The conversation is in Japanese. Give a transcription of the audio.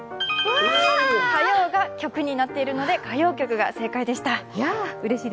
火曜が曲になっているので、歌謡曲が正解でした。